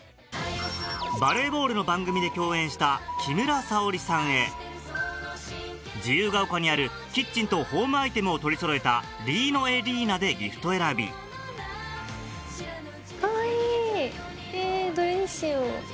バレーボールの番組で共演した木村沙織さんへ自由が丘にあるキッチンとホームアイテムを取りそろえたＬｉｎｏｅＬｉｎａでギフト選びかわいいえどれにしよう。